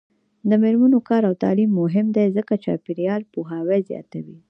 د میرمنو کار او تعلیم مهم دی ځکه چې چاپیریال پوهاوی زیاتوي.